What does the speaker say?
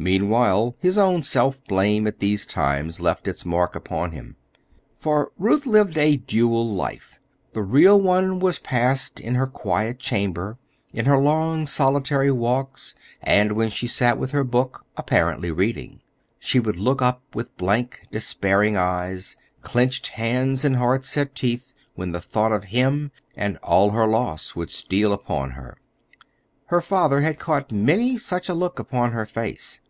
Meanwhile his own self blame at these times left its mark upon him. For Ruth lived a dual life. The real one was passed in her quiet chamber, in her long solitary walks, and when she sat with her book, apparently reading. She would look up with blank, despairing eyes, clinched hands, and hard set teeth when the thought of him and all her loss would steal upon her. Her father had caught many such a look upon her face.